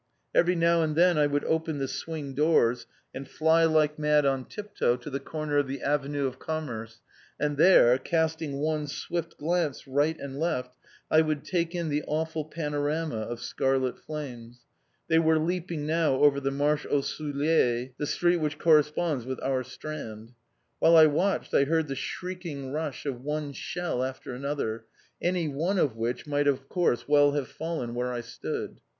Every now and then I would open the swing doors and fly like mad on tip toe to the corner of the Avenue de Commerce, and there, casting one swift glance right and left, I would take in the awful panorama of scarlet flames. They were leaping now over the Marché Aux Souliers, the street which corresponds with our Strand. While I watched I heard the shrieking rush of one shell after another, any one of which might of course well have fallen where I stood.